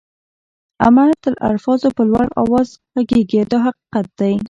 عمل تر الفاظو په لوړ آواز ږغيږي دا حقیقت دی.